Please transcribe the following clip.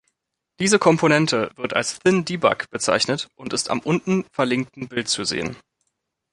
Diese Komponente wird als thinDebug bezeichnet und ist am unten verlinkten Bild zu sehen.